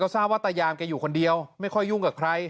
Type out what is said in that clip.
ทราบว่าตายามแกอยู่คนเดียวไม่ค่อยยุ่งกับใคร